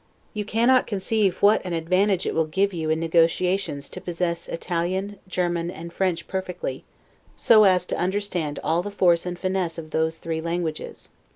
You cannot conceive what an advantage it will give you in negotiations to possess Italian, German, and French perfectly, so as to understand all the force and finesse of those three languages.